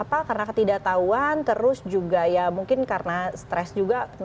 apa karena ketidaktahuan terus juga ya mungkin karena stres juga